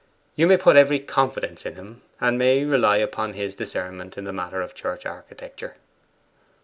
You may put every confidence in him, and may rely upon his discernment in the matter of church architecture.